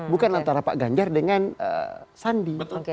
bukan antara pak ganjar dengan sandi